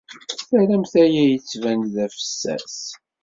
Terramt aya yettban-d d afessas.